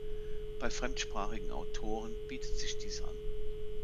Bei fremdsprachigen Autoren bietet sich dies an.